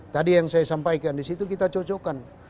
tadi yang saya sampaikan disitu kita cocokkan